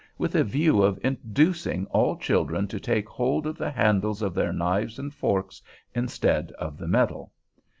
with a view of inducing all children to take hold of the handles of their knives and forks, instead of the metal.